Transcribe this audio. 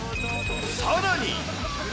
さらに。